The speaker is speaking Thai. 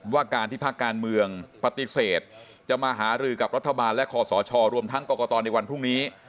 ว่าการที่ภาคการเมืองปฏิเสธจะมาหารือกับรัฐบาลและคอสชรวมทั้งกรกตในวันพรุ่งนี้